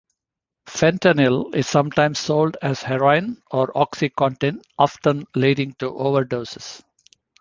Fentanyl is sometimes sold as heroin or oxycontin, often leading to overdoses.